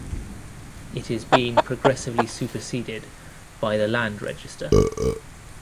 It is being progressively superseded by the Land Register.